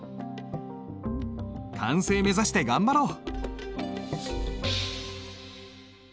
完成目指して頑張ろう！